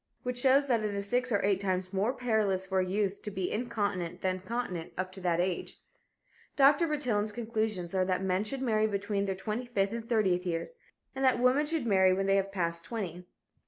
Which shows that it is six or eight times more perilous for a youth to be incontinent than continent up to that age. Dr. Bertillon's conclusions are that men should marry between their twenty fifth and thirtieth years, and that women should marry when they have passed twenty.